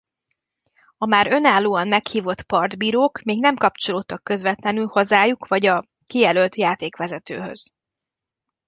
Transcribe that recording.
A már önállóan meghívott partbírók még nem kapcsolódtak közvetlenül hazájuk- vagy a kijelölt játékvezetőhöz.